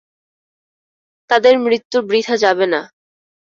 তাদের মৃত্যু বৃথা যাবে না।